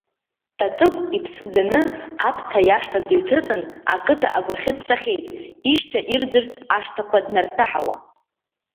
Татыгә иԥсы ӡаны Аԥҭа иашҭа дыҩҭыҵын, ақыҭа агәахьы дцахьеит, ишьҭа ирӡырц ашҭақәа днарҭаҳауа.